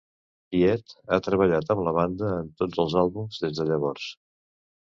Piet ha treballat amb la banda en tots els àlbums des de llavors.